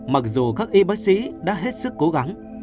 mặc dù các y bác sĩ đã hết sức cố gắng